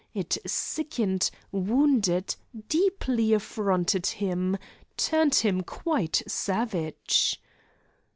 It sickened, wounded, deeply affronted him; turned him quite savage.